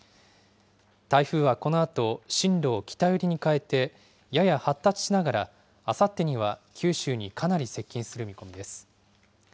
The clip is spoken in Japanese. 台風はこのあと、進路を北寄りに変えて、やや発達しながら、あさってには九州にかなり接近する見込みです。